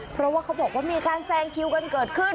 เพราะว่าเขาบอกว่ามีการแซงคิวกันเกิดขึ้น